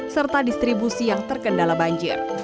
serta distribusi yang terkendala banjir